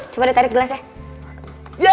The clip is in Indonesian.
coba ditarik gelasnya